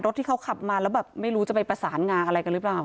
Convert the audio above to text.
ที่เขาขับมาแล้วแบบไม่รู้จะไปประสานงาอะไรกันหรือเปล่า